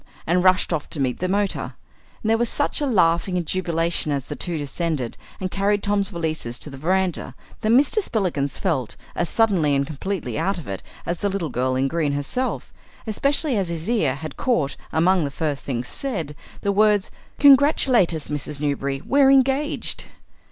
and rushed off to meet the motor. And there was such a laughing and jubilation as the two descended and carried Tom's valises to the verandah, that Mr. Spillikins felt as suddenly and completely out of it as the Little Girl in Green herself especially as his ear had caught, among the first things said, the words, "Congratulate us, Mrs. Newberry, we're engaged."